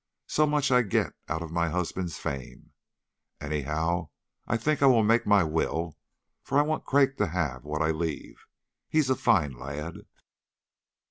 So much I get out of my husband's fame, anyhow. I think I will make my will, for I want Craik to have what I leave. He's a fine lad."